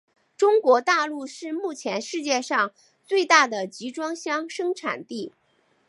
中国大陆是目前世界上最大的集装箱生产地。